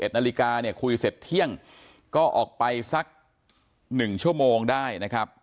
๑นาฬิกาเนี่ยคุยเสร็จเที่ยงก็ออกไปสัก๑ชั่วโมงได้นะครับ